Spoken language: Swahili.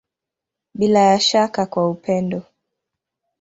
Bila ya shaka kwa upendo.